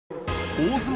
大相撲